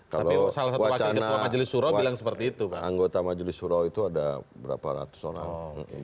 kalau wacana anggota majelis suro itu ada berapa ratus orang